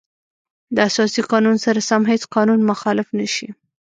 د اساسي قانون سره سم هیڅ قانون مخالف نشي.